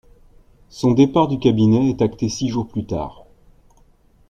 Son départ du cabinet est acté six jours plus tard.